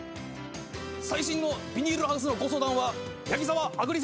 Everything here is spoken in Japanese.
最新のビニールハウスのご相談は。